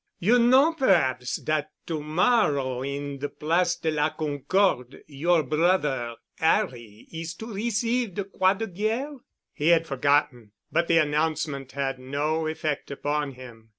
You know perhaps dat to morrow in de Place de la Concorde, your brother 'Arry is to receive de Croix de Guerre?" He had forgotten, but the announcement had no effect upon him.